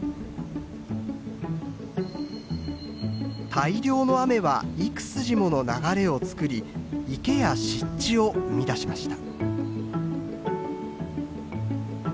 大量の雨は幾筋もの流れをつくり池や湿地を生み出しました。